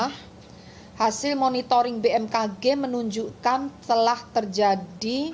hasil monitoring bmkg menunjukkan telah terjadi